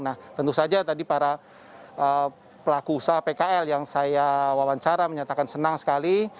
nah tentu saja tadi para pelaku usaha pkl yang saya wawancara menyatakan senang sekali